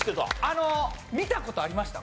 あの見た事ありました